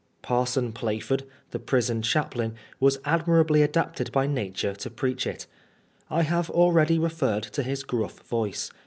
Parson Plaford, the prison chaplain, was admirably adapted by nature to preach it. I have already referred to his gruff voice.